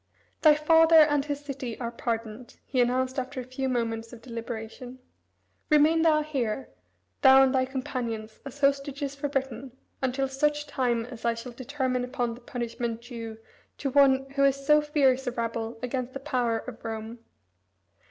"Thy father and his city are pardoned," he announced after a few moments of deliberation. "Remain thou here, thou and thy companions, as hostages for Britain, until such time as I shall determine upon the punishment due to one who is so fierce a rebel against the power of Rome."